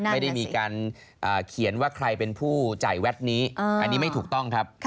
ไม่ได้มีการเขียนว่าใครเป็นผู้จ่ายแวดนี้อันนี้ไม่ถูกต้องครับ